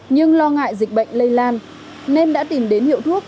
nhưng lo ngại dịch bệnh lây lan nên đã tìm đến hiệu thuốc